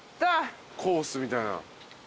コースみたいな。